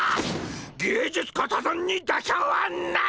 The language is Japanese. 芸術家多山に妥協はない！